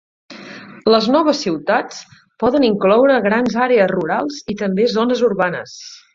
Les noves "ciutats" poden incloure grans àrees rurals i també zones urbanes.